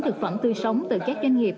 thực phẩm tươi sống từ các doanh nghiệp